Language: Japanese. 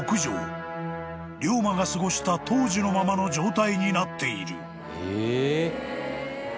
［龍馬が過ごした当時のままの状態になっている］